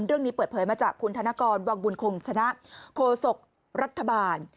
เรื่องนี้เปิดเผยมาจากคุณธนกรวังบุญคงชนะโคศกรัฐบาล